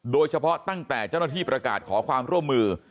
ตั้งแต่เจ้าหน้าที่ประกาศขอความร่วมมือ